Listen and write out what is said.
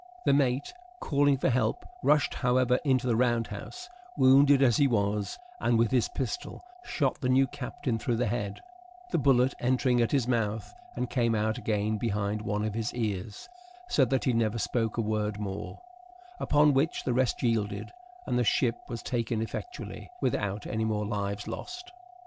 The mate, calling for help, rushed, however, into the round house, wounded as he was, and, with his pistol, shot the new captain through the head, the bullet entering at his mouth, and came out again behind one of his ears, so that he never spoke a word more; upon which the rest yielded, and the ship was taken effectually, without any more lives lost.